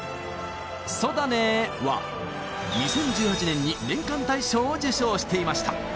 「そだねー」は２０１８年に年間大賞を受賞していました